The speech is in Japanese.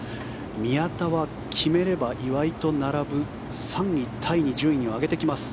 宮田は決めれば岩井と並ぶ３位タイに順位を上げてきます。